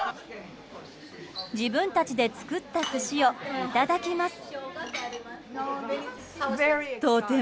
自分たちで作った寿司をいただきます。